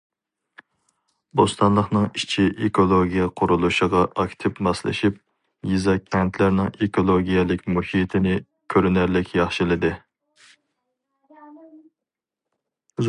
بوستانلىقنىڭ ئىچكى ئېكولوگىيە قۇرۇلۇشىغا ئاكتىپ ماسلىشىپ، يېزا، كەنتلەرنىڭ ئېكولوگىيەلىك مۇھىتىنى كۆرۈنەرلىك ياخشىلىدى.